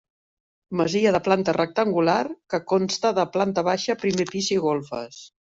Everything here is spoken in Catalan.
Masia de planta rectangular que consta de planta baixa, primer pis i golfes.